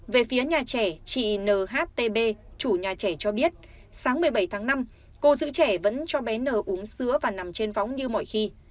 về phía nhà trẻ chị nhtb chủ nhà trẻ cho biết sáng một mươi bảy tháng năm cô giữ trẻ vẫn cho bé nờ uống sữa và nằm trên võng như mọi khi